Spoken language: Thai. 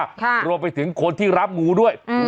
ค่ะรวมไปถึงคนที่รับงูด้วยอืม